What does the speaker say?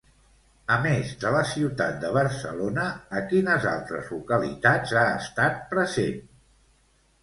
A més de la ciutat de Barcelona, a quines altres localitats ha estat present?